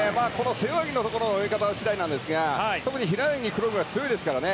背泳ぎの泳ぎ方次第ですが特に平泳ぎクロールが強いですから。